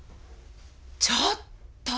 ちょっと！